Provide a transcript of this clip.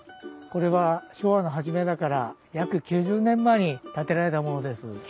これは昭和の初めだから約９０年前に建てられたものです。